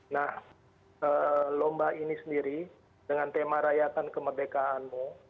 nah lomba ini sendiri dengan tema rayakan kemerdekaanmu